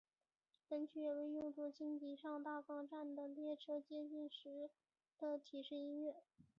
本曲也被用作京急上大冈站的列车接近时的提示音乐。